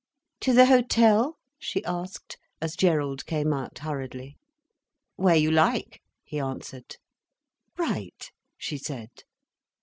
"To the hotel?" she asked, as Gerald came out, hurriedly. "Where you like," he answered. "Right!" she said.